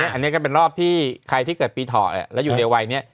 อันนี้ก็เป็นรอบที่ใครที่เกิดปีเถาะแล้วอยู่ในวัยนี้